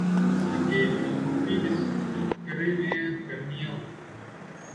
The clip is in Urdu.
جبکہ جنوبی نصف کرہ میں گرمیاں ہوتی ہیں